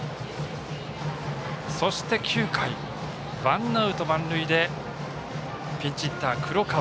そして、９回ワンアウト満塁でピンチヒッター、黒川。